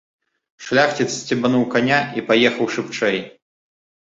Шляхціц сцебануў каня і паехаў шыбчэй.